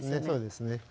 そうですね。